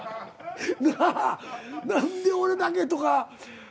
「何で俺だけ？」とか。